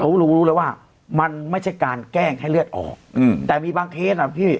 เขารู้รู้เลยว่ามันไม่ใช่การแกล้งให้เลือดออกอืมแต่มีบางเคสอ่ะพี่